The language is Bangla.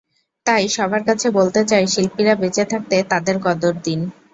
তাই সবার কাছে বলতে চাই, শিল্পীরা বেঁচে থাকতে তাঁদের কদর দিন।